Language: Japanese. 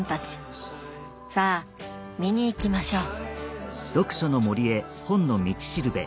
さあ見に行きましょう。